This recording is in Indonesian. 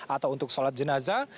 atau untuk sholat jenazah